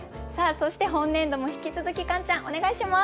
そして本年度も引き続きカンちゃんお願いします。